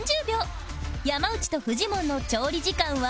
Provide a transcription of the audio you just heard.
山内とフジモンの調理時間は？